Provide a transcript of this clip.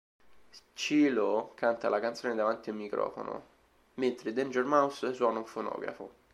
Cee-Lo canta la canzone davanti ad un microfono, mentre Danger Mouse suona un fonografo.